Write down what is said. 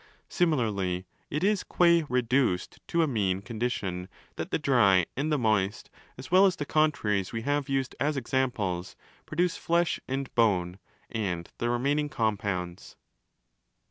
° Similarly, it is gua reduced to a 'mean' condition that the dry and the moist, as well as the contraries we have used as examples, 30 produce flesh and bone and the remaining compounds.